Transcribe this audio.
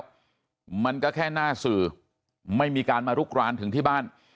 แล้วมันก็แค่หน้าสื่อไม่มีการมาลุกรานถึงที่บ้าน